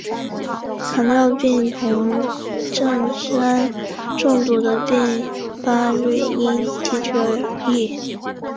糖尿病酮症酸中毒的病发率因地区而异。